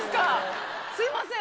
すいません